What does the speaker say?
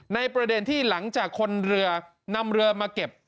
ในประเด็นที่หลังจากคนเรือนำเรือมาเก็บ